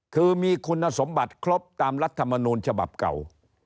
คือมีคุณสมบัติครบตามรัฐมนูลฉบับเก่า